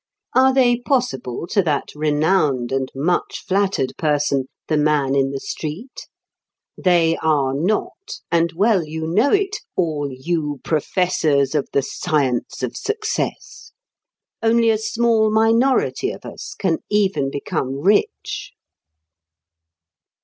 Are they possible to that renowned and much flattered person, the man in the street? They are not, and well you know it, all you professors of the science of success! Only a small minority of us can even become rich.